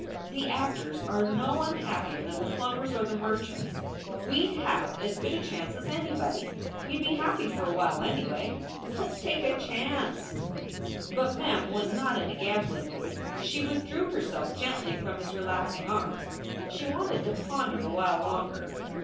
"The actors are no unhappier than the plumbers or the merchants. We d have as good a chance as anybody. We d be happy for a while, anyway. Let s take a chance!" But Mem was not in a gambling mood. She withdrew herself gently from his relaxing arms. She wanted to ponder a while longer.